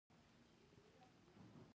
ادبیات د انسان زړه عاطفي کوي او نرموي یې